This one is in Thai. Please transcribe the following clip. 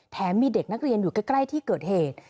มีเด็กนักเรียนอยู่ใกล้ที่เกิดเหตุ